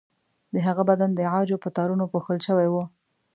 د هغه بدن د عاجو په تارونو پوښل شوی و.